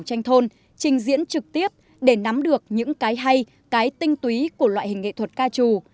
tranh thôn trình diễn trực tiếp để nắm được những cái hay cái tinh túy của loại hình nghệ thuật ca trù